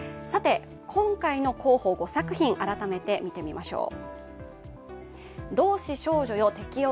今回の候補、５作品改めて見てみます。